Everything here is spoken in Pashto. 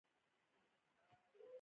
وژنه باید د انساني حافظې نه هېره نه شي